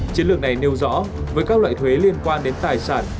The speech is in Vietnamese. chiến lược này nêu rõ với các loại thuế liên quan đến tài sản